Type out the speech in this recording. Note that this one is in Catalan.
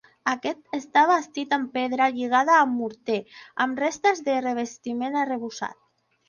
Aquest està bastit en pedra lligada amb morter, amb restes de revestiment arrebossat.